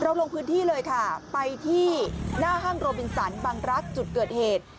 ลงพื้นที่เลยค่ะไปที่หน้าห้างโรบินสันบังรักษ์จุดเกิดเหตุ